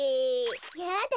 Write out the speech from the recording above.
やだ